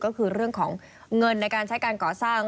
ก็คือเรื่องของเงินในการใช้การก่อสร้าง